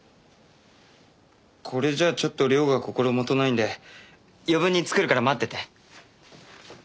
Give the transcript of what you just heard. これじゃあちょっと量が心許ないんで余分に作るから待ってて。